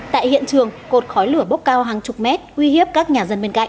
tại hiện trường cột khói lửa bốc cao hàng chục mét uy hiếp các nhà dân bên cạnh